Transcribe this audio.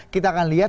kita akan lihat